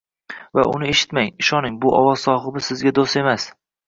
va uni eshitmang. Ishoning, bu ovoz sohibi sizga do‘st emas.